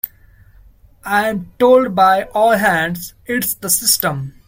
I am told by all hands: it's the system.